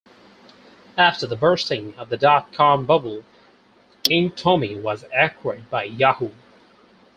After the bursting of the dot-com bubble, Inktomi was acquired by Yahoo!